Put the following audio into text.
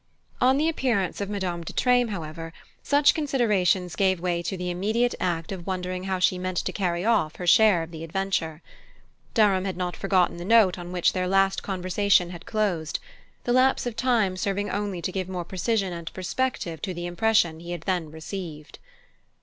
On the appearance of Madame de Treymes, however, such considerations gave way to the immediate act of wondering how she meant to carry off her share of the adventure. Durham had not forgotten the note on which their last conversation had closed: the lapse of time serving only to give more precision and perspective to the impression he had then received.